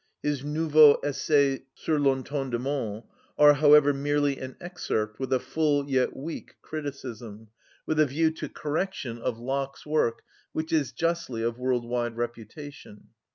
His "Nouveaux essays sur l'entendement" are, however, merely an excerpt, with a full yet weak criticism, with a view to correction, of Locke's work which is justly of world‐wide reputation.